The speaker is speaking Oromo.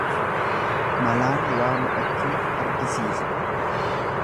Malaan waa mo'achuu argisiisa.